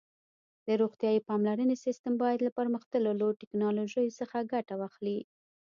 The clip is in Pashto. د روغتیايي پاملرنې سیسټم باید له پرمختللو ټکنالوژیو څخه ګټه واخلي.